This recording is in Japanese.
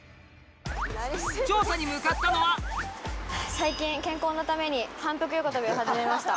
最近健康のために反復横跳びを始めました。